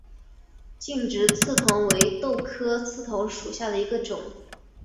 劲直刺桐为豆科刺桐属下的一个种。